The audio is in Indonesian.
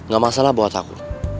gak masalah buat aku